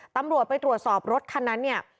ตำรวจไปตรวจสอบรถคันนั้นเนี่ย